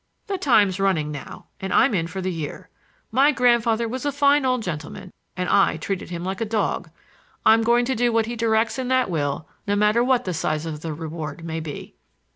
"The time's running now, and I'm in for the year. My grandfather was a fine old gentleman, and I treated him like a dog. I'm going to do what he directs in that will no matter what the size of the reward may be."